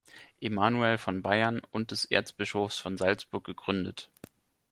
Emanuel von Bayern und des Erzbischofs von Salzburg gegründet.